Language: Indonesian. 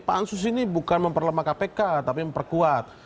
pak ansus ini bukan memperlemah kpk tapi memperkuat